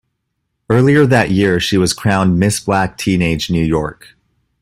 Earlier that year, she was crowned Miss Black Teen-age New York.